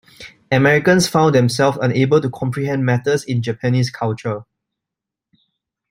Americans found themselves unable to comprehend matters in Japanese culture.